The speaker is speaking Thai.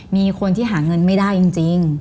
มีคนที่หาเงินไม่ได้จริง